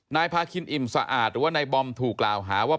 นายพาคินอิ่มสะอาดหรือว่านายบอมถูกกล่าวหาว่า